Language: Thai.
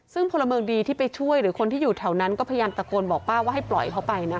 ซึ่งพลเมืองดีที่ไปช่วยหรือคนที่อยู่แถวนั้นก็พยายามตะโกนบอกป้าว่าให้ปล่อยเขาไปนะคะ